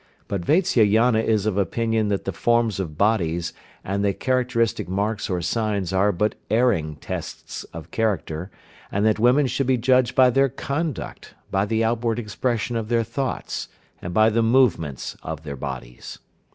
But Vatsyayana is of opinion that the forms of bodies, and the characteristic marks or signs are but erring tests of character, and that women should be judged by their conduct, by the outward expression of their thoughts, and by the movements of their bodies.